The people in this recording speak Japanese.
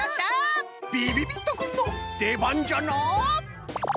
びびびっとくんのでばんじゃな。